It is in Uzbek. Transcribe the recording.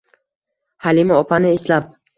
Halima opani eslab